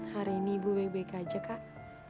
hari ini ibu baik baik aja kak